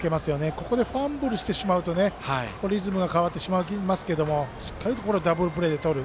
ここでファンブルしてしまうとリズムが変わってしまいますけどしっかりとダブルプレーでとる。